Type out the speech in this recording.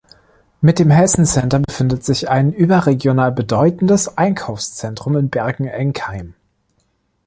Mit dem "Hessen-Center" befindet sich ein überregional bedeutendes Einkaufszentrum in Bergen-Enkheim.